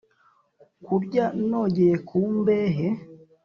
Kurya nogeye ku mbehe